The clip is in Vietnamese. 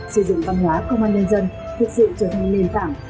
xây dựng văn hóa công an nhân dân thực sự trở thành nền tảng